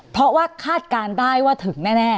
เพราะว่าคาดการณ์ได้ว่าถึงแน่